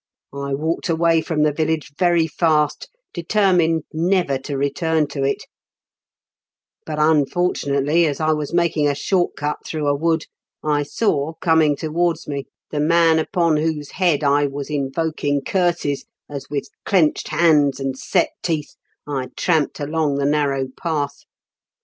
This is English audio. "I walked away from the village very fast, determined never to return to it; but, unfortunately, as I was making a short cut through a wood, I saw, coming towards me, the man upon whose head I was invoking curses as, with clenched hands and set* teeth, I tramped along the narrow path.